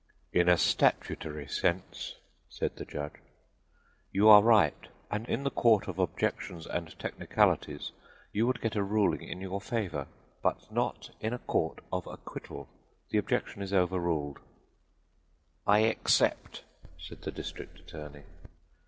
"In a statutory sense," said the judge, "you are right, and in the Court of Objections and Technicalities you would get a ruling in your favor. But not in a Court of Acquittal. The objection is overruled." "I except," said the district attorney.